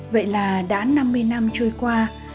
vậy là đã năm mươi năm trôi qua